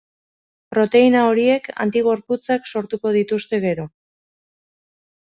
Proteina horiek antigorputzak sortuko dituzte gero.